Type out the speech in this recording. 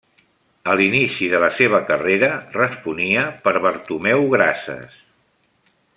A l'inici de la seva carrera, responia per Bartomeu Grases.